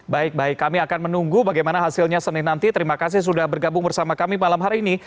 baik baik kami akan menunggu bagaimana hasilnya senin nanti terima kasih sudah bergabung bersama kami malam hari ini